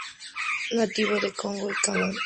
Nativo de Congo y Gabón.